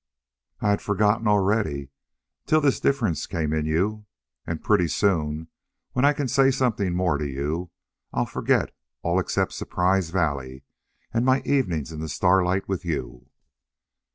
"I'd forgotten already, till this difference came in you. And pretty soon when I can say something more to you I'll forget all except Surprise Valley and my evenings in the starlight with you."